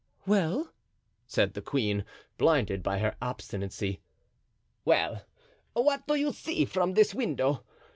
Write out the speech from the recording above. "Well?" said the queen, blinded by her obstinacy. "Well, what do you see from this window?